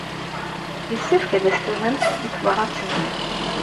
Yessefk ad as-terremt i tebṛat-nni.